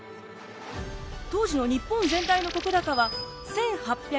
当時の日本全体の石高は１，８５７万石。